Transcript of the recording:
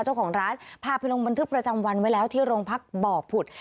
เจ้าของร้านพาไปลงบันทึกประจำวันไว้แล้วที่โรงพักบ่อผุด